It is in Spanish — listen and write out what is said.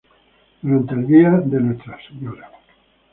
Durante el día de Ntra.